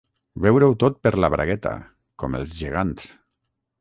Veure-ho tot per la bragueta, com els gegants.